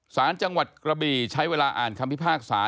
สารจังหวัดกระบี่ใช้เวลาอ่านคำพิพากษา